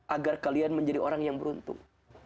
agar kalian menjadi orang yang beruntung